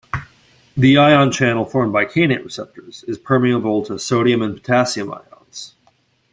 The ion channel formed by kainate receptors is permeable to sodium and potassium ions.